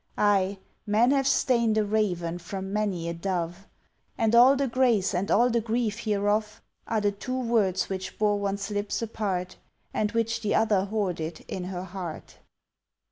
Ay, men have stained a raven from many a dove, And all the grace and all the grief hereof Are the two words which bore one's lips apart And which the other hoarded in her heart.